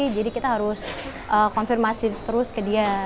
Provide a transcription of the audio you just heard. jadi kita harus konfirmasi terus ke dia